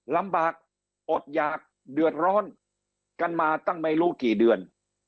ลำบากอดหยากเดือดร้อนกันมาตั้งไม่รู้กี่เดือน